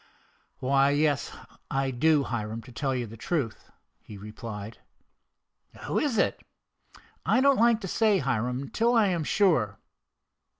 "Why, yes, I do, Hiram, to tell you the truth," he replied. "Who is it?" "I don't like to say, Hiram, till I am sure."